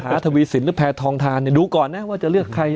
ฐาถวีศิลป์หรือแพทย์ทองทานดูก่อนนะว่าจะเลือกใคร